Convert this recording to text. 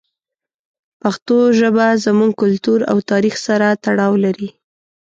پښتو ژبه زموږ کلتور او تاریخ سره تړاو لري.